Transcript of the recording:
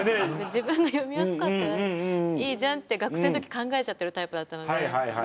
自分が読みやすかったらいいじゃんって、学生の時考えちゃってるタイプだったので。